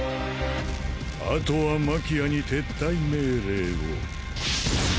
あとはマキアに撤退命令を